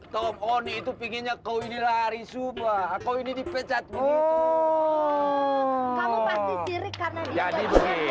topon itu pinginnya kau ini lari subah aku ini dipecat oh kamu pasti ciri karena jadi